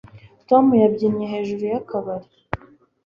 Tom yabyinnye hejuru yakabari